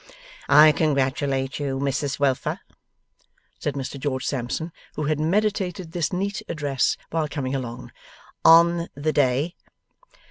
'I congratulate you, Mrs Wilfer,' said Mr George Sampson, who had meditated this neat address while coming along, 'on the day.